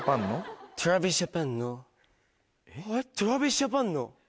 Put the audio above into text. ＴｒａｖｉｓＪａｐａｎの？